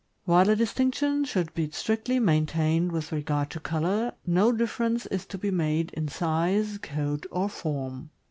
While a distinction should be strictly main tained with regard to color, no difference is to be made in size, coat, or form.